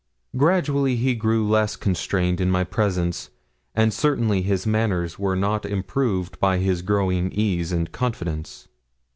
Gradually he grew less constrained in my presence, and certainly his manners were not improved by his growing ease and confidence.